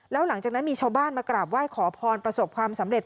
แล้วหลังจากนั้นมีชาวบ้านมากราบไหว้ขอพรประสบความสำเร็จ